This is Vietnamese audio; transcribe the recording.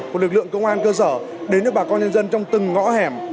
của lực lượng công an cơ sở đến với bà con nhân dân trong từng ngõ hẻm